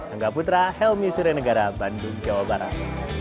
angga putra helmy sirenegara bandung jawa barat